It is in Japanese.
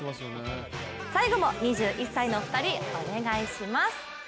最後も２１歳のお二人、お願いします！